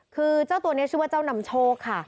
คือเจ้าตัวนี้ชื่อว่าเจ้านำโชคค่ะ